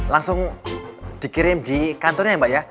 langsung dikirim di kantornya ya mbak ya